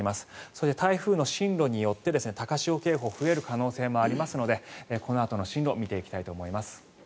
そして、台風の進路によって高潮警報が増える可能性もありますのでこのあとの進路を見ていきたいと思います。